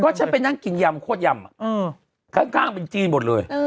ฉันไปนั่งกินยำโคตรยำข้างเป็นจีนหมดเลย